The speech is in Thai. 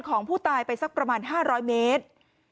ของผู้ตายไปสักประมาณ๕๐๐เมตร